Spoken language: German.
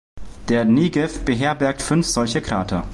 Der Negev beherbergt fünf solche Krater.